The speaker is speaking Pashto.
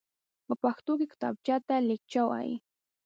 په پښتو کې کتابچېته ليکچه وايي.